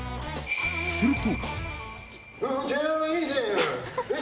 すると。